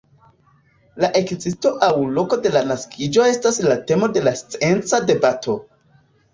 La ekzisto aŭ loko de la naskiĝo estas la temo de scienca debato.